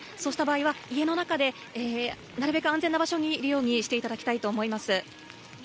そうした場合は家の中でなるべく安全な場所にいるようにしていただきたいと思います。